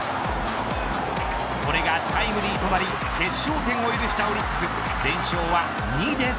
これがタイムリーとなり決勝点を許したオリックス。